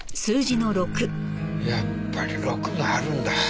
やっぱり６があるんだ。